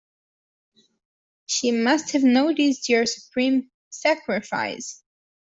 She must have noticed your supreme sacrifice.